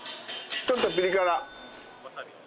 ちょっとぴり辛。